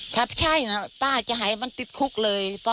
ถ้าใช่นะป้าจะให้มันติดคุกเลย